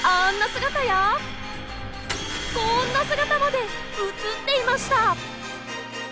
姿やこんな姿まで映っていました！